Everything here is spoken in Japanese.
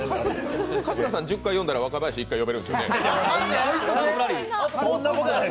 春日さん１０回呼んだら、若林１回呼べるんですよね？